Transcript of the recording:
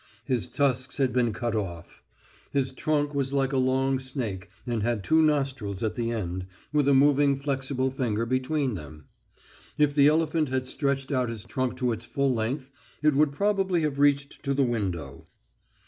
His tusks had been cut off. His trunk was like a long snake and had two nostrils at the end, with a moving flexible finger between them. If the elephant had stretched out his trunk to its full length, it would probably have reached to the window.